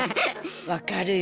分かるよ。